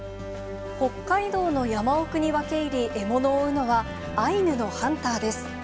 北海道の山奥に分け入り、獲物を追うのがアイヌのハンターです。